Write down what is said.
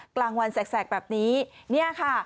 กลางวันแสกแบบนี้เนี่ยค่ะ